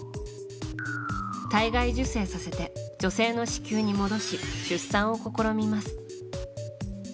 体外受精させて女性の子宮に戻し出産を試みます。